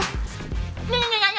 nih nanti nanti suaranya